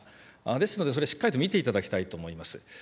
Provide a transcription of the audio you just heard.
ですので、それをしっかり見ていただきたいと思います。